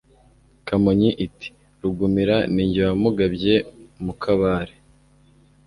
Kamonyi iti: Rugumira Ni jye wamugabye mu Kabare,